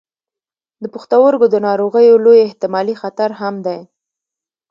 د پښتورګو د ناروغیو لوی احتمالي خطر هم دی.